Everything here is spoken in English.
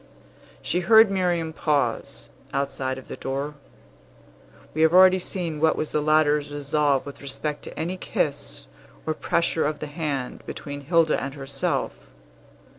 She heard Miriam pause, outside of the door. We have already seen what was the latter's resolve with respect to any kiss or pressure of the hand between Hilda and herself.